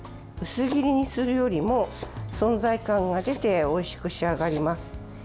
薄切りにするよりも存在感が出ておいしく仕上がります。